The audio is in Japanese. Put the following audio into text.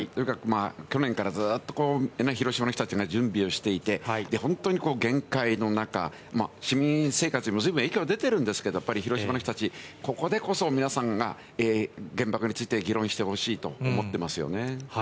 去年からずっと広島の人たち準備をしていて、本当に厳戒の中、市民生活にも随分影響が出ているんですけれども、広島の人たち、ここでこそ皆さんが原爆について議論してほしいと思っていますよね。